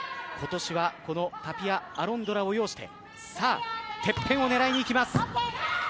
今年はこのタピア・アロンドラを擁しててっぺんを狙いにいきます。